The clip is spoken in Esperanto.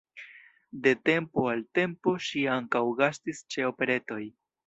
De tempo al tempo ŝi ankaŭ gastis ĉe operetoj.